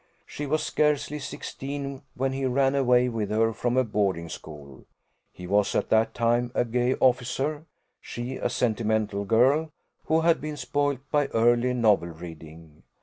She was scarcely sixteen when he ran away with her from a boarding school; he was at that time a gay officer, she a sentimental girl, who had been spoiled by early novel reading.